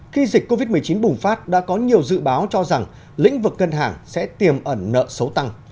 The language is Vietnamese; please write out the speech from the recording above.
khi dịch covid một mươi chín bùng phát đã có nhiều dự báo cho rằng lĩnh vực ngân hàng sẽ tiềm ẩn nợ xấu tăng